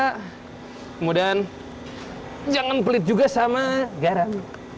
kemudian jangan pelit juga sama garam